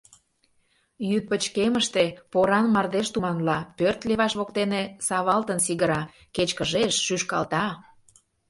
Йӱд пычкемыште поран мардеж туманла, пӧрт леваш воктене савалтын сигыра, кечкыжеш, шӱшкалта.